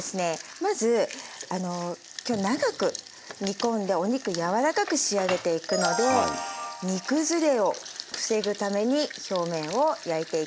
まず今日長く煮込んでお肉柔らかく仕上げていくので煮崩れを防ぐために表面を焼いていきます。